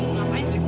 ibu ngapain sih bu